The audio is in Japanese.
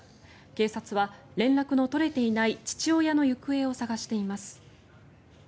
警察は連絡の取れていない父親の行方を捜しています。